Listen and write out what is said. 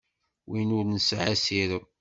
Win ur nesɛi asirem.